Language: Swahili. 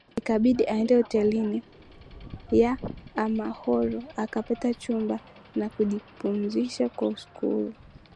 Ikabidi aende hoteli ya amahoro akapata chumba na kujipumzisha kwa usiku ule